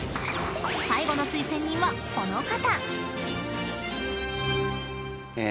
［最後の推薦人はこの方］